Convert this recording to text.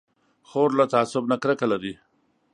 خور له تعصب نه کرکه لري.